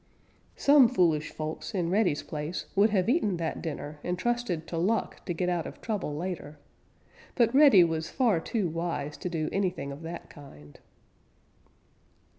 Some foolish folks in Reddy's place would have eaten that dinner and trusted to luck to get out of trouble later. But Reddy was far too wise to do anything of that kind.